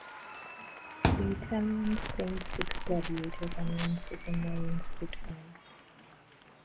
The Italians claimed six Gladiators and one Supermarine Spitfire.